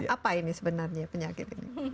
apa ini sebenarnya penyakit ini